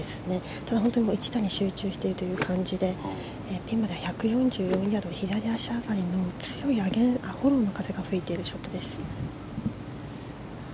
ただ、一打に集中しているという感じでピンまで１４４ヤード左足上がりの強いフォローの風が吹いているショットです。